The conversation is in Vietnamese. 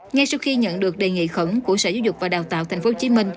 ngay sau khi nhận được đề nghị khẩn của sở giáo dục và đào tạo tp hcm